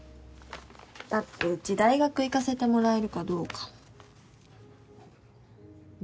だってうち大学行かせてもらえるかどうかも。